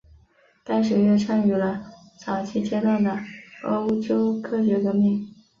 该学院参与了早期阶段的欧洲科学革命。